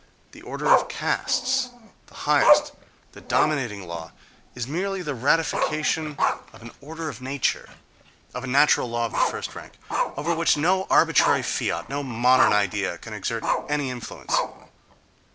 —The order of castes, the highest, the dominating law, is merely the ratification of an order of nature, of a natural law of the first rank, over which no arbitrary fiat, no "modern idea," can exert any influence.